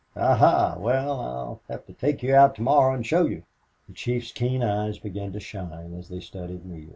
"Aha! Well, I'll have to take you out tomorrow and show you." The chief's keen eyes began to shine as they studied Neale.